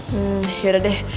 hmm ya udah deh